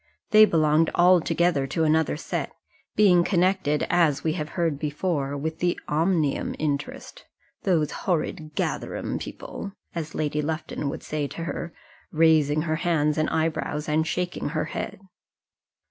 They belonged altogether to another set, being connected, as we have heard before, with the Omnium interest "those horrid Gatherum people," as Lady Lufton would say to her, raising her hands and eyebrows, and shaking her head.